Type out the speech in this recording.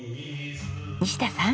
西田さん。